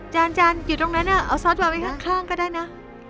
จานอยู่ตรงนั้นเอาซอสวางไว้ข้างก็ได้นะ